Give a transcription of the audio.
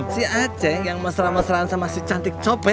si aceh yang masra masraan sama si cantik copet